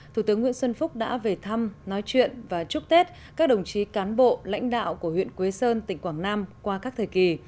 thủ tướng nguyễn xuân phúc đã về thăm nói chuyện và chúc tết các đồng chí cán bộ lãnh đạo của huyện quế sơn tỉnh quảng nam qua các thời kỳ